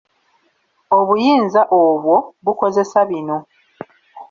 Obuyinza obwo bukozesa bino.